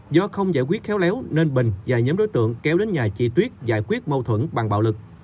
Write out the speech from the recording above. do không giải quyết khéo léo nên bình và nhóm đối tượng kéo đến nhà chị tuyết giải quyết mâu thuẫn bằng bạo lực